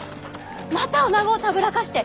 またおなごをたぶらかして！